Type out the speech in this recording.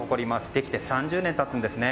できて３０年経つんですね。